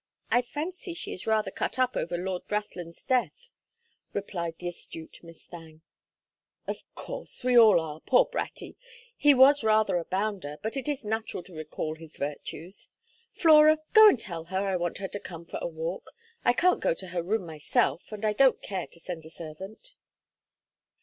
I fancy she is rather cut up over Lord Brathland's death," replied the astute Miss Thangue. "Of course; we all are poor Bratty! He was rather a bounder, but it is natural to recall his virtues. Flora, go and tell her I want her to come for a walk. I can't go to her room myself, and I don't care to send a servant."